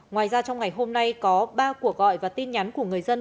ngoài ra trong ngày hôm nay có ba cuộc gọi và tin nhắn của người dân